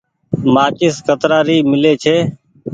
مآچيس ڪترآ ري ميلي ڇي۔